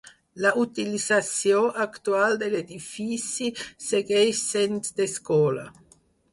La utilització actual de l'edifici segueix sent d'escola.